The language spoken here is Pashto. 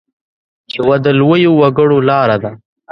یوه د لویو وګړو لاره ده.